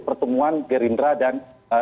pertemuan gerindra dan